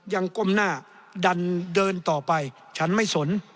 ก้มหน้าดันเดินต่อไปฉันไม่สน